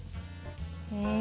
え？